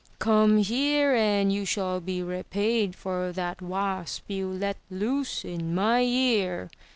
"Come here, and you shall be repaid for that wasp you let loose in my ear!"